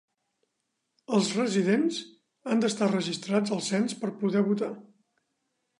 Els residents han d'estar registrats al cens per poder votar.